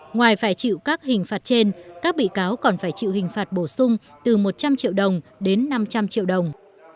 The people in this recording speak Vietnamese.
ngoài phải chịu các hình phạt trên các bị cáo còn phải chịu hình phạt bổ sung từ một trăm linh triệu đồng đến năm trăm linh triệu đồng